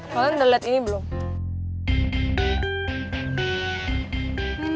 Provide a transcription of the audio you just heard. kalian udah lihat ini belum